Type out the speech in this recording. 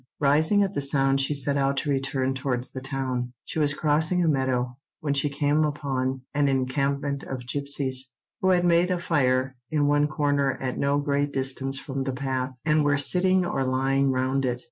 Rising at the sound she set out to return towards the town. She was crossing a meadow, when she came upon an encampment of gipsies, who had made a fire in one corner at no great distance from the path, and were sitting or lying round it.